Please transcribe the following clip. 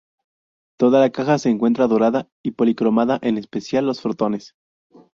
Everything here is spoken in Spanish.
Toda la caja se encuentra dorada y policromada, en especial los frontones.